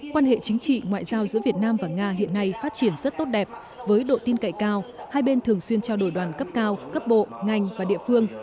quan hệ chính trị ngoại giao giữa việt nam và nga hiện nay phát triển rất tốt đẹp với độ tin cậy cao hai bên thường xuyên trao đổi đoàn cấp cao cấp bộ ngành và địa phương